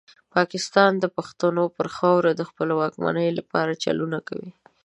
پاکستان د پښتنو پر خاوره د خپلې واکمنۍ لپاره چلونه کوي.